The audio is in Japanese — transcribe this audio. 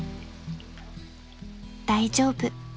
［大丈夫］